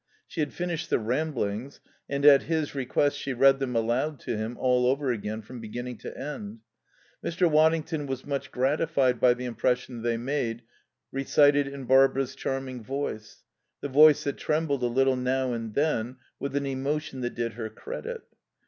She had finished the Ramblings, and at his request she read them aloud to him all over again from beginning to end. Mr. Waddington was much gratified by the impression they made recited in Barbara's charming voice; the voice that trembled a little now and then with an emotion that did her credit.